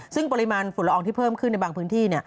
ซึ่งปริมาณฝุ่นละอองที่เพิ่มขึ้นในบางพื้นที่